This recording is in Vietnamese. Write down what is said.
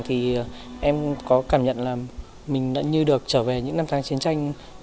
thì em có cảm nhận là mình đã như được trở về những năm tháng chiến tranh